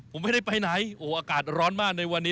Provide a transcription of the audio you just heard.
ผมไม่ได้ไปไหนโอ้อากาศร้อนมากในวันนี้